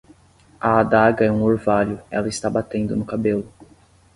A adaga é um orvalho, ela está batendo no cabelo.